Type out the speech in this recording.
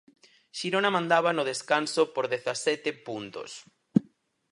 Xirona mandaba no descanso por dezasete puntos.